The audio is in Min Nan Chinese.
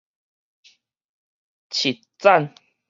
揤讚